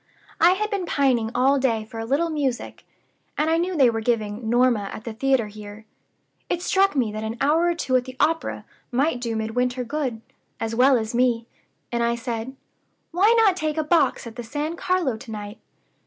I had been pining all day for a little music, and I knew they were giving 'Norma' at the theater here. It struck me that an hour or two at the opera might do Midwinter good, as well as me; and I said: 'Why not take a box at the San Carlo to night?